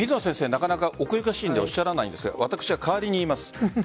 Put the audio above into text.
なかなか奥ゆかしいのでおっしゃらないですが私が代わりに言います。